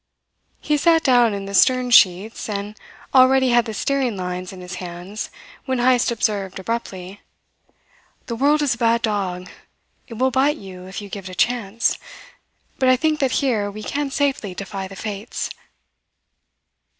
He sat down in the stern sheets, and already had the steering lines in his hands when Heyst observed abruptly: "The world is a bad dog. It will bite you if you give it a chance; but I think that here we can safely defy the fates."